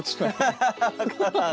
ハハハハ。